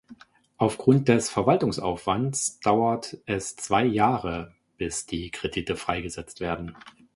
Aufgrund des Verwaltungsaufwands dauert es zwei Jahre, bis die Kredite freigesetzt werden.